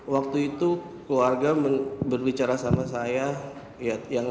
waktu itu keluarga berbicara sama saya